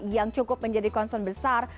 yang cukup menjadi concern besar